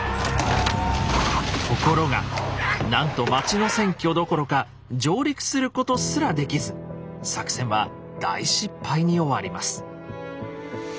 ところがなんと町の占拠どころか上陸することすらできず作戦は大失敗に終わります。